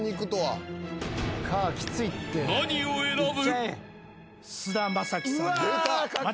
［何を選ぶ？］